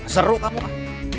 seru kamu ah